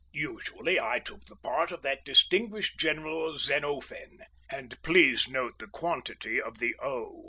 Usually I took the part of that distinguished general Xenōphen—and please note the quantity of the ō.